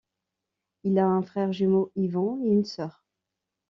Il a un frère jumeau, Yvon, et une soeur.